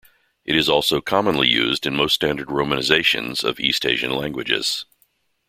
It is also commonly used in most standard romanizations of East-Asian languages.